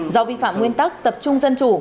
do vi phạm nguyên tắc tập trung dân chủ